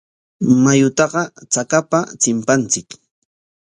Mayutaqa chakapa chimpanchik.